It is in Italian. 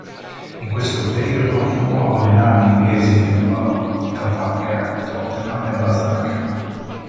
In questo periodo affondò le navi inglesi "Rabaul", "Trafalgar", "Tottenham" e "Balzac".